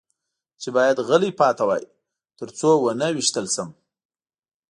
چې باید غلی پاتې وای، تر څو و نه وېشتل شم.